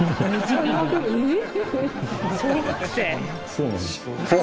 そうなんです。